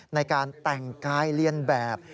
ในการแต่งกายเรียนแบบ